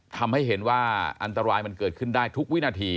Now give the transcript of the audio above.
ทำให้เห็นว่าอันตรายมันเกิดขึ้นได้ทุกวินาที